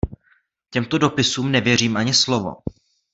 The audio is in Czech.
Těmto dopisům nevěřím ani slovo!